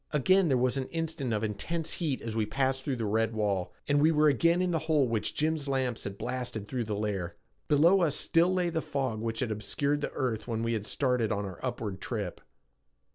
Again there was an instant of intense heat as we passed through the red wall, and we were again in the hole which Jim's lamps had blasted through the layer. Below us still lay the fog which had obscured the earth when we had started on our upward trip.